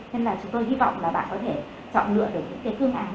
nên là chúng tôi hy vọng là bạn có thể chọn lựa được những cái phương án